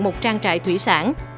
một trang trại thủy sản